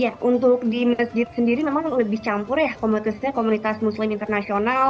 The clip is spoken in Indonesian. ya untuk di masjid sendiri memang lebih campur ya komunitasnya komunitas muslim internasional